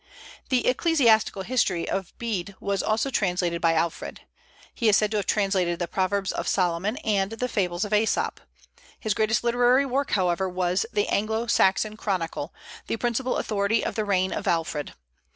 The "Ecclesiastical History" of Bede was also translated by Alfred. He is said to have translated the Proverbs of Solomon and the Fables of Aesop. His greatest literary work, however, was the Anglo Saxon Chronicle, the principal authority of the reign of Alfred.